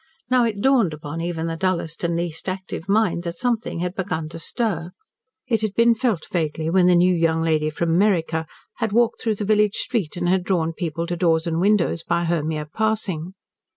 Now it dawned upon even the dullest and least active mind that something had begun to stir. It had been felt vaguely when the new young lady from "Meriker" had walked through the village street, and had drawn people to doors and windows by her mere passing.